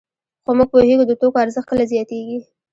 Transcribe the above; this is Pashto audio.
خو موږ پوهېږو د توکو ارزښت کله زیاتېږي